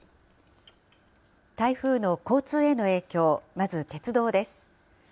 台風の交通への影響、まず鉄道です。